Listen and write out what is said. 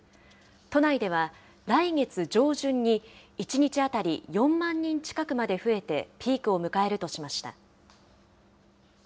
都内では来月上旬に、１日当たり４万人近くまで増えて、ピークを迎えるとしました。